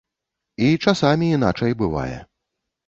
І часамі іначай бывае.